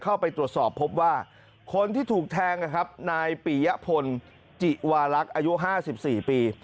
เข้าไปตรวจสอบพบว่าคนที่ถูกแทงครับนายปียะพลจิวารักษ์อายุห้าสิบสี่ปี